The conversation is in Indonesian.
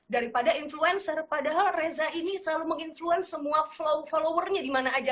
daripada influencer padahal reza ini selalu meng influence semua followersnya dimana aja